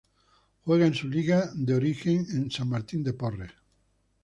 Juega en su liga de origen en San Martín de Porres.